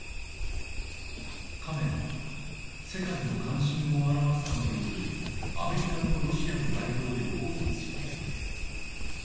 カメラは世界の関心を表すかのようにアメリカとロシアの大統領を映します。